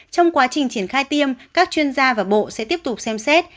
trong quá trình triển khai tiêm các chuyên gia và bộ sẽ tiếp tục xem xét